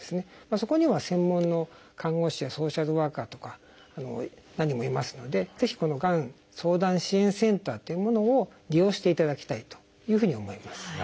そこには専門の看護師やソーシャルワーカーとか何人もいますのでぜひこのがん相談支援センターというものを利用していただきたいというふうに思います。